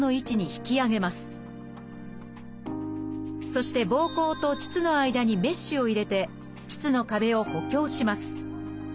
そしてぼうこうと腟の間にメッシュを入れて腟の壁を補強します。